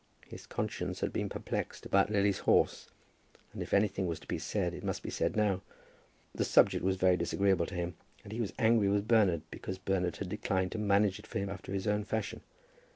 His conscience had been perplexed about Lily's horse, and if anything was to be said it must be said now. The subject was very disagreeable to him, and he was angry with Bernard because Bernard had declined to manage it for him after his own fashion.